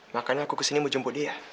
makanya aku kesini mau jemput dia